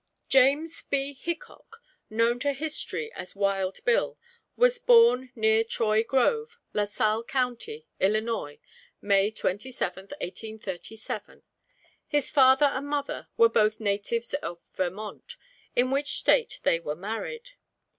JAMES B. HICKOK, known to history as "Wild Bill," was born near Troy Grove, La Salle county, Illinois, May 27th, 1837. His father and mother were both natives of Vermont, in which state they were married.